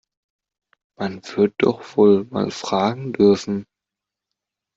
Man wird doch wohl mal fragen dürfen!